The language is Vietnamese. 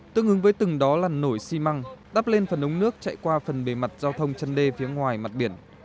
tương ứng với từng đó là nổi xi măng đắp lên phần ống nước chạy qua phần bề mặt giao thông chân đê phía ngoài mặt biển